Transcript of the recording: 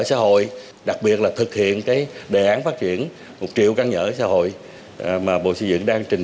xã hội đặc biệt là thực hiện đề án phát triển một triệu căn nhà ở xã hội mà bộ xây dựng đang trình